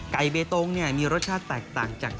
เบตงมีรสชาติแตกต่างจาก